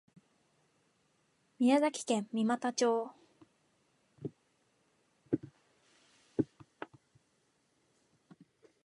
宮崎県三股町